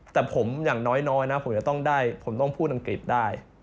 แต่ผมอย่างน้อยนะผมจะต้องได้ผมต้องพูดอังกฤษได้